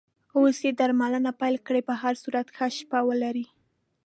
اوس یې درملنه پیل کړې، په هر صورت ښه شپه ولرې.